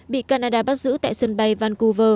bị canada bắt giữ tại sân bay vancouver